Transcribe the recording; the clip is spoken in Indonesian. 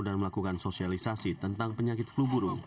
dan melakukan sosialisasi tentang penyakit flu burung